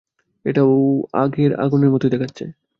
এটাও আগের আগুনের মতোই দেখাচ্ছে।